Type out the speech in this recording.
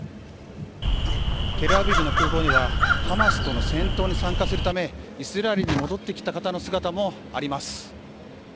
テルアビブの空港ではハマスとの戦闘に参加するためイスラエルに戻ってきた方の姿もあります。